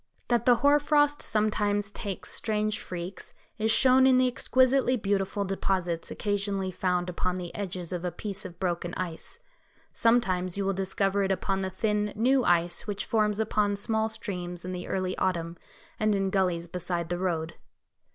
That the hoar frost sometimes takes strange freaks is shown in the exquisitely beautiful deposits occasionally found upon the edges of a piece of broken ice. Sometimes you will discover it upon the thin, new ice which forms upon small streams in the early autumn, and in gullies beside the road.